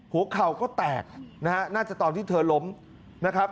หัวเข่าก็แตกนะฮะน่าจะตอนที่เธอล้มนะครับ